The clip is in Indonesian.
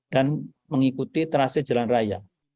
dan mengikuti trace jalan raya